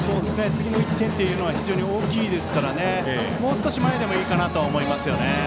次の１点というのは非常に大きいですからもう少し前でもいいかなと思います。